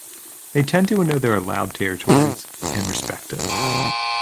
They tend to know their allowed territories and respect it.